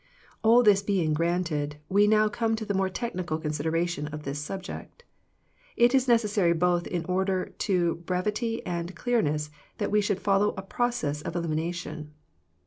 All this being granted, we now come to the more technical consideration of this subject. It is necessary both in order to brevity and clear ness that we should follow a process of elimina tion.